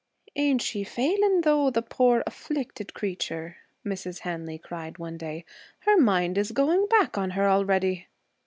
'Ain't she failing, though, the poor afflicted creature!' Mrs. Hanley cried one day. 'Her mind is going back on her already.'